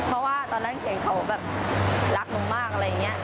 เพราะว่าตอนนั้นเขียนเขาแบบรักหนูมากอะไรอย่างนี้